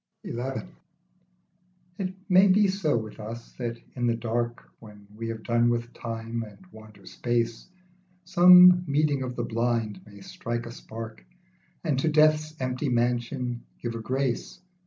XL IT may be so with us, that in the dark, When we have done with Time and wander Space, Some meeting of the blind may strike a spark, And to Death's empty mansion give a grace.